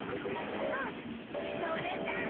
あっのれた！